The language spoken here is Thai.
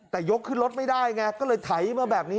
แต่ยกขึ้นรถไม่ได้ไงก็เลยไถมาแบบนี้